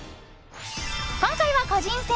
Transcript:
今回は個人戦。